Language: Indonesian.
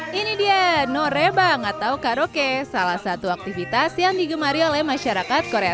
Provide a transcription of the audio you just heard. hai ini dia norebang atau karaoke salah satu aktivitas yang digemari oleh masyarakat korea